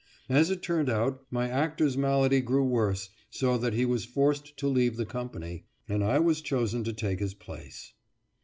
As it turned out, my actor's malady grew worse, so that he was forced to leave the company, and I was chosen to take his place.